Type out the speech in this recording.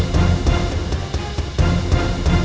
saya mau ke rumah